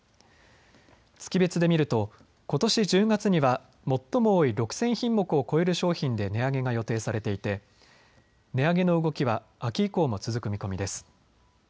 月別で見るとことし１０月には最も多い６０００品目を超える商品で値上げが予定されていて値上げの動きは秋以降も続く見込みです。